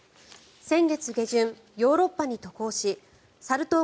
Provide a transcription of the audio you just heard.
先月下旬、ヨーロッパに渡航しサル痘